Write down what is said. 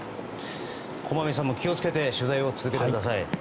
駒見さんも気を付けて取材を続けてください。